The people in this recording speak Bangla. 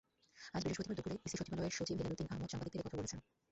আজ বৃহস্পতিবার দুপুরে ইসি সচিবালয়ের সচিব হেলালুদ্দীন আহমদ সাংবাদিকদের এ কথা বলেছেন।